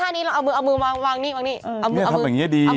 นี่ว่าเราทำท่านี้เอามือวางนี่วางนี่